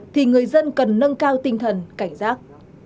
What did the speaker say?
thì người dân cần nâng cao tinh thần cảnh giác